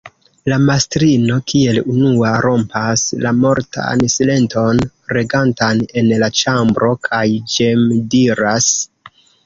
La mastrino kiel unua rompas la mortan silenton, regantan en la ĉambro kaj ĝemdiras: